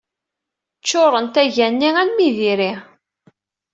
Ccuṛent aga-nni armi d iri.